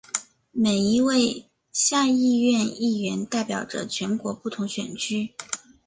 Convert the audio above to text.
每一位下议院议员代表着全国不同选区。